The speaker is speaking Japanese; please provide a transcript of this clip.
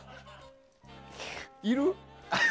いる？